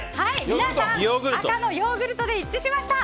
皆さん、赤のヨーグルトで一致しました。